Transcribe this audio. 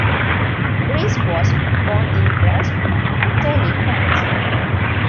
Brice was born in Brest, Britanny, France.